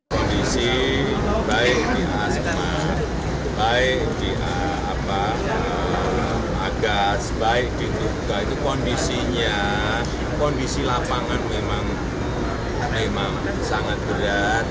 kondisi baik di asma baik di agas baik diduga itu kondisinya kondisi lapangan memang sangat berat